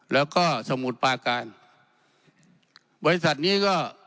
แล้วก็สมุทรปาการบริษัทนี้ก็